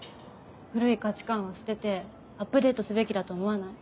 古い価値観は捨ててアップデートすべきだと思わない？